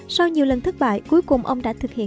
sau nhiều lần thất bại cuối cùng ông đã thực hiện